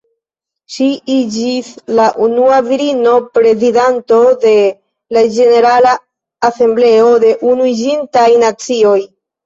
Ŝi iĝis la unua virino prezidanto de la Ĝenerala Asembleo de Unuiĝintaj Nacioj.